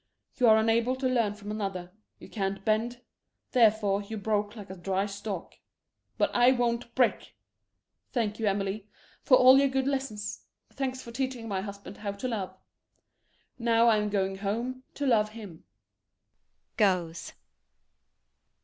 You are unable to learn from another; you can't bend therefore, you broke like a dry stalk. But I won't break! Thank you, Amelie, for all your good lessons. Thanks for teaching my husband how to love. Now I'm going home to love him. [Goes.